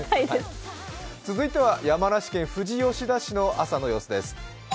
続いては山梨県富士吉田市の朝の様子です。